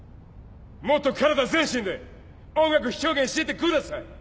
もっと体全身で音楽表現してください！